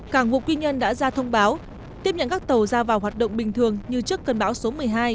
cảng vụ quy nhơn đã ra thông báo tiếp nhận các tàu ra vào hoạt động bình thường như trước cơn bão số một mươi hai